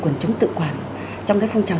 quần chống tự quản trong cái phong trào